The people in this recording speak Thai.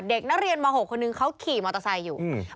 เด็กนเรียนมาออกคนหนึ่งเขาขี่มอเตอร์ไซค์อยู่อืม